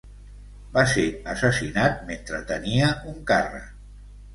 Va ser assassinat mentre tenia un càrrec.